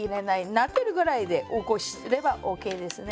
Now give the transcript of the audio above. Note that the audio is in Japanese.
なでるぐらいで起こせばＯＫですね。